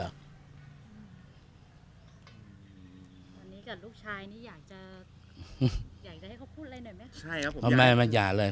ตอนนี้กับลูกชายนี่อยากจะอยากจะให้เขาพูดอะไรหน่อยไหมครับ